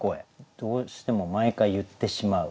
どうしても毎回言ってしまう。